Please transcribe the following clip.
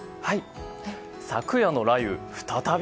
昨夜の雷雨再び？